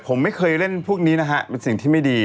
ผมไม่เคยเล่นพวกนี้มันสิ่งที่ไม่ดี